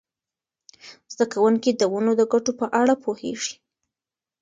زده کوونکي د ونو د ګټو په اړه پوهیږي.